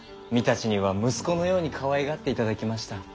御館には息子のようにかわいがっていただきました。